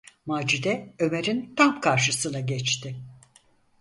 Macide, Ömer’in tam karşısına geçti.